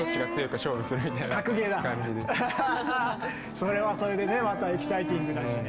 それはそれでねまたエキサイティングだしね。